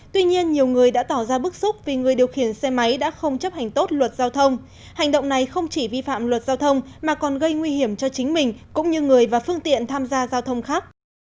tuy nhiên nhiều người đã tỏ ra bức xúc vì người điều khiển xe máy đã không chấp hành tốt luật giao thông hành động này không chỉ vi phạm luật giao thông mà còn gây nguy hiểm cho chính mình cũng như người và phương tiện tham gia giao thông khác